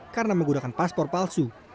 karena menggunakan paspor palsu